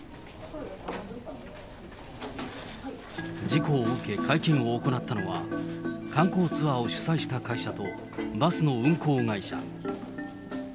事故を受け、会見を行ったのは、観光ツアーを主催した会社とバスの運行会社。